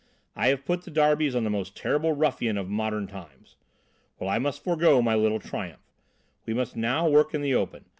I have put the darbies on the most terrible ruffian of modern times.' Well, I must forego my little triumph. We must now work in the open.